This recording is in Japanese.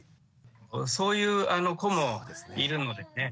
そういう子もいるのでね。